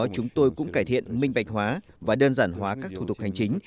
chúng tôi cũng cải thiện minh bạch hóa và đơn giản hóa các thủ tục hành chính